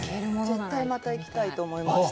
絶対また行きたいと思いました。